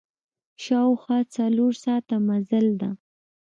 شاوخوا څلور ساعته مزل ده.